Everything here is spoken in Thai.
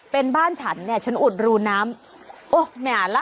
เป็นบ้านฉันเนี้ยฉันอุดรูน้ำโอ๊ยไม่อ่านล่ะ